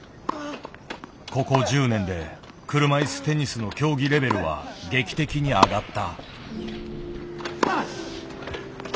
ここ１０年で車いすテニスの競技レベルは劇的に上がった。